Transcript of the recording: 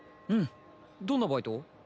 うんどんなバイト？